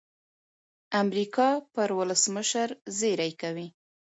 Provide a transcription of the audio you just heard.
امریکا پر ولسمشر زېری کوي.